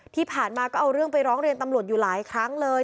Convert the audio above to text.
ที่ผ่านมาก็เอาเรื่องไปร้องเรียนตำรวจอยู่หลายครั้งเลย